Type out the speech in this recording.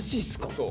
そう。